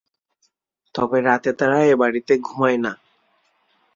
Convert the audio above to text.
তবে রাতে তারা এ বাড়িতে ঘুমায় না।